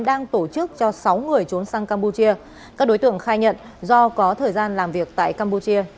đang tổ chức cho sáu người trốn sang campuchia các đối tượng khai nhận do có thời gian làm việc tại campuchia